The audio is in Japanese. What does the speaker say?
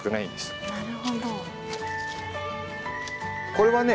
これはね